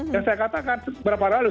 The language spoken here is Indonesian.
yang saya katakan beberapa lalu